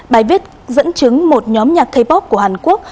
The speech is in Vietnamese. bài viết dẫn chứng một nhóm nhạc k pop của hàn quốc